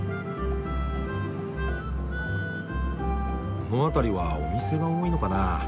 この辺りはお店が多いのかな？